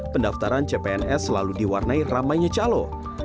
pendaftaran cpns selalu diwarnai ramainya calo